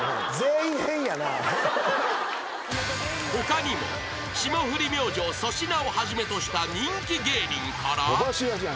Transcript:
［他にも霜降り明星粗品をはじめとした人気芸人から］